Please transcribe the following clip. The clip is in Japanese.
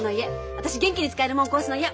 私元気に使えるもん壊すのは嫌。